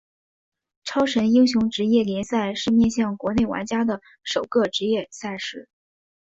超神英雄职业联赛是面向国内玩家的首个职业赛事。